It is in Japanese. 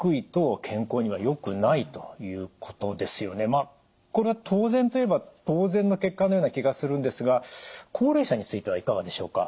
まあこれは当然といえば当然の結果なような気がするんですが高齢者についてはいかがでしょうか？